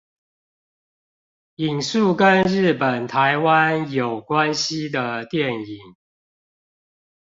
引述跟日本台灣有關係的電影